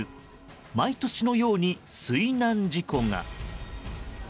毎年のように水難事故が。